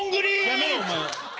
やめろお前。